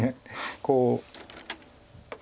こう。